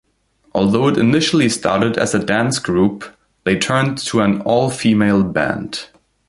Although it initially started as a dance group, they turned to an all-female band.